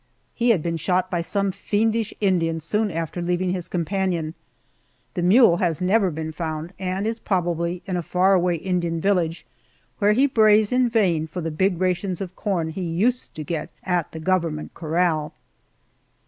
He had been shot by some fiendish Indian soon after leaving his companion. The mule has never been found, and is probably in a far away Indian village, where he brays in vain for the big rations of corn he used to get at the government corral.